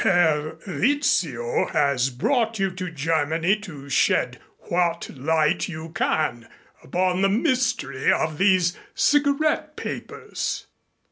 Herr Rizzio has brought you to Germany to shed what light you can upon the mystery of these cigarette papers.